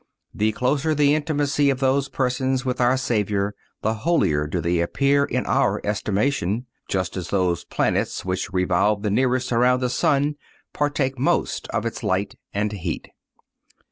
The closer the intimacy of those persons with our Savior, the holier do they appear in our estimation, just as those planets which revolve the nearest around the sun partake most of its light and heat.